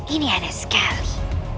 ini aneh sekali